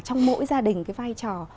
trong mỗi gia đình cái vai trò